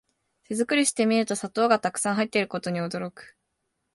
手作りしてみると砂糖がたくさん入ってることに驚く